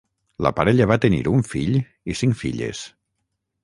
La parella va tenir un fill i cinc filles.